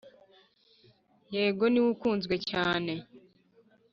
yego, niwe ukunzwe cyane.